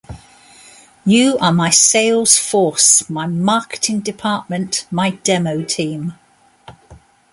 You are my sales force, my marketing department, my demo team.